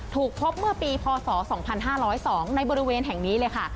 ถูกพบเมื่อปีพศ๒๕๐๒ในบริเวณแห่งนี้เลยค่ะ